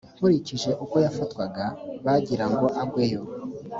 nkurikije uko yafatwaga bagirango agweyo